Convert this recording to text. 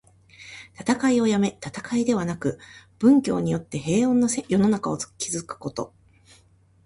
戦いをやめ、戦いではなく、文教によって平穏な世の中を築くこと。